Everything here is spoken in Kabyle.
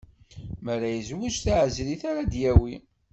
Mi ara yezweǧ, d taɛezrit ara d-yawi.